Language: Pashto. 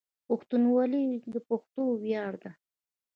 پښتونولي د پښتنو ویاړ ده.